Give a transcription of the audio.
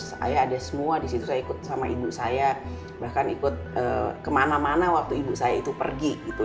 saya ada semua disitu saya ikut sama ibu saya bahkan ikut kemana mana waktu ibu saya itu pergi gitu